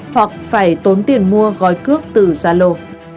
hoặc phải tốn tiền mua gói cước từ zalo